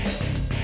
eh mbak be